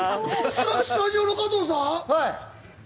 スタジオの加藤さん？